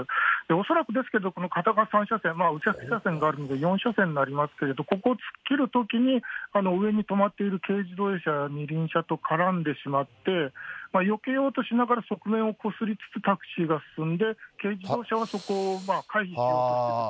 恐らくですけど、この片側３車線、右折車線があるんで、４車線になりますけど、ここを突っ切るときに、上に止まっている軽自動車、二輪車と絡んでしまって、よけようとしながら、側面をこすりつつタクシーが進んで、軽自動車はそこを回避しようとしていたと。